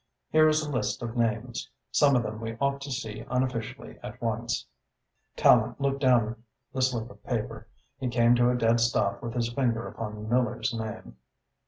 Here is a list of names. Some of them we ought to see unofficially at once." Tallente looked down the slip of paper. He came to a dead stop with his finger upon Miller's name.